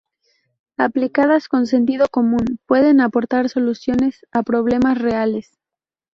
Aplicadas con sentido común, pueden aportar soluciones a problemas reales.